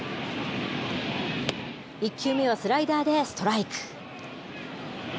１球目はスライダーでストライク。